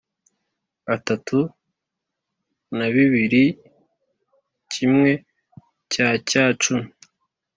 Itatu na bibiri kimwe cya cya cumi